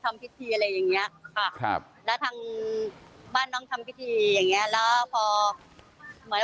ทำพิธีอะไรอย่างนี้ค่ะบ้านน้องทำพิธีอย่างนี้พอหมาย